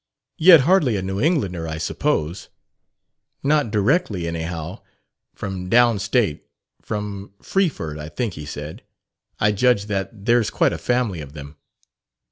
"Yet hardly a New Englander, I suppose?" "Not directly, anyhow. From down state from Freeford, I think he said. I judge that there's quite a family of them."